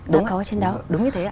đã có trên đó đúng như thế ạ